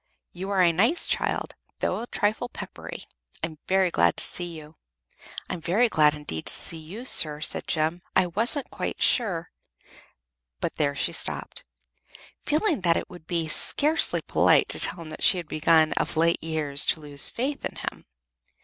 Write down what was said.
You are a nice child, though a trifle peppery. I'm very glad to see you." "I'm very glad indeed to see you, sir," said Jem. "I wasn't quite sure " But there she stopped, feeling that it would be scarcely polite to tell him that she had begun of late years to lose faith in him.